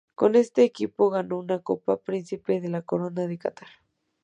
Con este equipo, ganó una Copa Príncipe de la Corona de Catar.